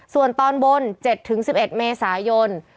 ส่วนตอนบน๗๑๑เมษายน